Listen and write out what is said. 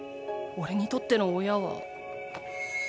おれにとっての親は。